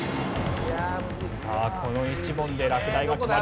さあこの１問で落第が決まる。